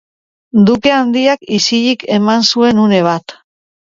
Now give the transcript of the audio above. Duke handiak isilik eman zuen une bat.